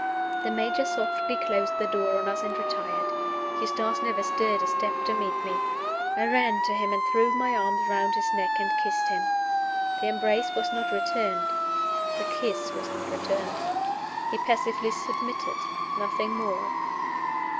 The Major softly closed the door on us and retired. Eustace never stirred a step to meet me. I ran to him, and threw my arms round his neck and kissed him. The embrace was not returned; the kiss was not returned. He passively submitted nothing more.